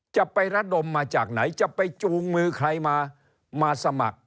จะไประดมมาจากไหนจะไปจูงมือใครมามาสมัคร